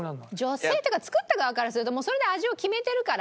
女性っていうか作った側からするともうそれで味を決めてるから。